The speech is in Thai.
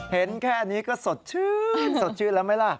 เห็นแค่นี้ก็สดชื่นสดชื่นแล้วไหมล่ะ